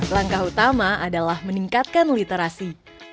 langkah utama adalah meningkatkan literasi